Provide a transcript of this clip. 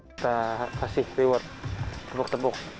kita kasih reward tepuk tepuk